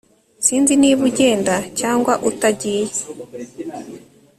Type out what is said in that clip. Sinzi niba ugenda cyangwa utagiye